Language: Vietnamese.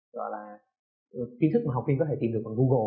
kiến thức mà học viên có thể tìm được bằng google